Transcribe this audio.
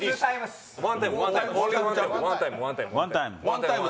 ワンタイム。